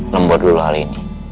lembut dulu hal ini